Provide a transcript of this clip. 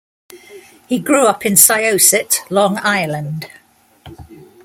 He grew up in Syosset, Long Island.